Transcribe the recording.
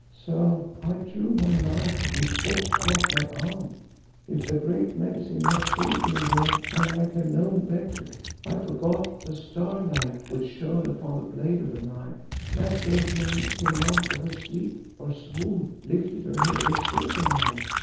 "So I drew my knife and stretched out my arm. But then, Baas, I showed myself a fool—if the Great Medicine had still been there I might have known better. I forgot the starlight which shone upon the blade of the knife. That girl Janee came out of her sleep or swoon, lifted her head and saw the knife.